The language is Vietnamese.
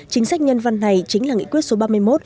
chính sách nhân văn này chính là nghị quyết số ba mươi một